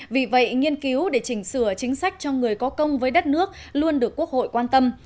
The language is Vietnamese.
vì vậy nghiên cứu để chỉnh sửa chính sách cho người có công với đất nước luôn được quốc hội quan tâm